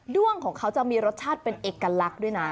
้วงของเขาจะมีรสชาติเป็นเอกลักษณ์ด้วยนะ